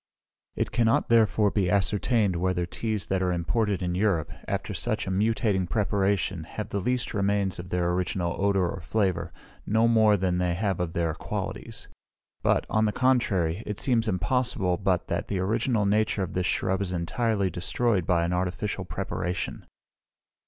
It cannot, therefore, be ascertained whether teas that are imported in Europe, after such a mutating preparation, have the least remains of their original odour or flavour, no more than they have of their qualities; but, on the contrary, it seems impossible but that the original nature of this shrub is entirely destroyed by an artificial preparation.